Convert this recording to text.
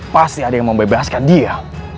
pasti ada yang membebaskan dia